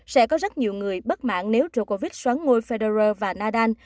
sẽ có rất nhiều người bất mạng nếu djokovic xoắn ngôi federer và nadal